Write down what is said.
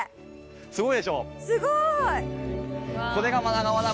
すごいでしょ？